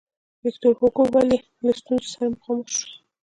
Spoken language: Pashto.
ویکتور هوګو ولې له ستونزو سره مخامخ شو.